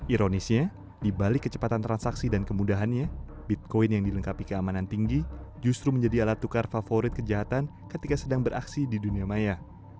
ironisnya dibalik kecepatan transaksi dan kemudahannya bitcoin yang dilengkapi keamanan tinggi justru menjadi alat tukar favorit kejahatan ketika sedang beraksi di dunia maya